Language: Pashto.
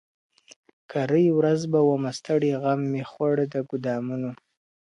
کرۍ ورځ به ومه ستړی غم مي خوړ د ګودامونو.